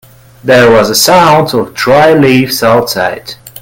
There was a sound of dry leaves outside.